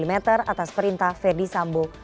sembilan mm atas perintah ferdisambo